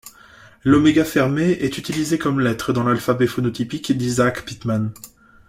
L’oméga fermé est utilisé comme lettre dans l’alphabet phonotypique d’Isaac Pitman.